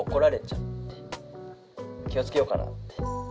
「気をつけようかなって」